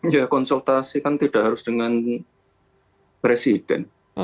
ya konsultasi kan tidak harus dengan presiden